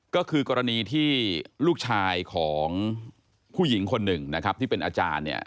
ก็คือกรณีที่ลูกชายของผู้หญิงคนหนึ่งนะครับที่เป็นอาจารย์เนี่ย